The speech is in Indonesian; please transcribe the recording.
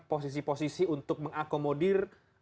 posisi posisi untuk mengakomodir